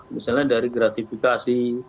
misalnya dari gratifikasi